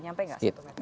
nyampe gak satu meter